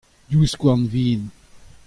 div skouarn vihan.